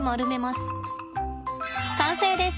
完成です。